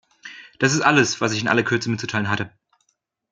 Das ist alles, was ich in aller Kürze mitzuteilen hatte.